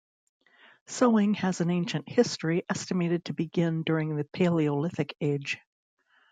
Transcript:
Sewing has an ancient history estimated to begin during the Paleolithic Age.